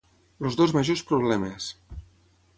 Els dos majors problemes!